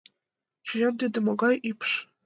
Чу-ян, тиде могай ӱпш?